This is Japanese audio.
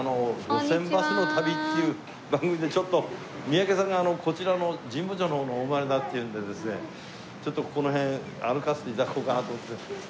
『路線バスの旅』っていう番組で三宅さんがこちらの神保町の方のお生まれだっていうんでですねちょっとこの辺歩かせて頂こうかなと思って。